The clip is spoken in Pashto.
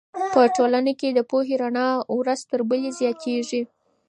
په ټولنه کې د پوهې رڼا ورځ تر بلې زیاتېږي.